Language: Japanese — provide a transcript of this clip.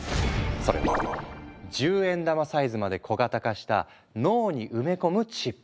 それは１０円玉サイズまで小型化した脳に埋め込むチップ。